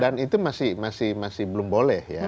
itu masih belum boleh ya